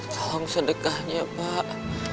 tolong sedekahnya pak